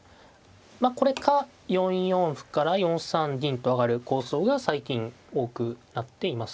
まあこれか４四歩から４三銀と上がる構想が最近多くなっています。